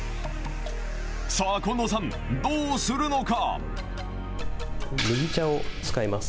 さあ、近藤さん、どうするのか。